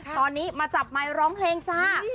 ตอนนี้มาจับไมค์ร้องเพลงจ้า